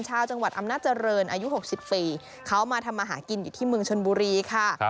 ชาวจังหวัดอำนาจริงอายุ๖๐ปีเขามาทำมาหากินอยู่ที่เมืองชนบุรีค่ะ